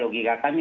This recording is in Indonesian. mungkin dia berani